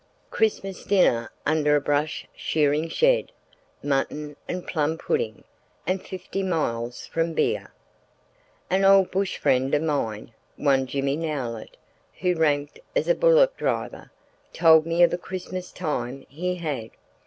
Christmas dinner under a brush shearing shed. Mutton and plum pudding—and fifty miles from beer! An old bush friend of mine, one Jimmy Nowlett, who ranked as a bullock driver, told me of a Christmas time he had.